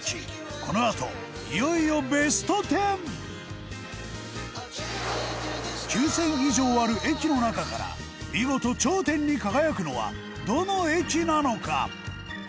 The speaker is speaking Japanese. このあと、いよいよベスト１０９０００以上ある駅の中から見事、頂点に輝くのはどの駅なのか？